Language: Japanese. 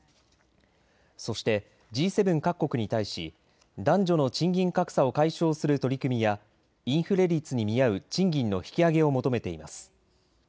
そしてＧ７各国に対し男女の賃金格差を解消する取り組みやインフレ率に見合う賃金の引き上げを求めています。